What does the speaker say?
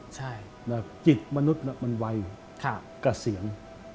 จิตมนุษย์มันไวกับเสียง